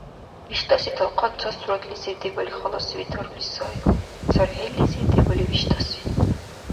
ВиштӀаси талхъан ца суратлизив дебали халаси ветарули сай, цархӀиллизив — дебали виштӀаси.